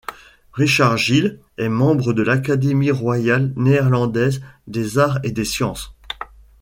Richard Gill est membre de l'Académie royale néerlandaise des arts et des sciences.